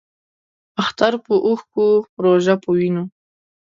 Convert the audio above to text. اختر پۀ اوښکو ، روژۀ پۀ وینو